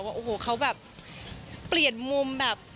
ว่าโอ้โหเขาแบบเปลี่ยนมุมแบบ